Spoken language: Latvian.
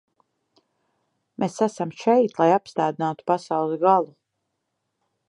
Mēs esam šeit, lai apstādinātu pasaules galu.